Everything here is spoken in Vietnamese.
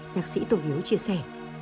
nhạc sĩ tô hiếu chia sẻ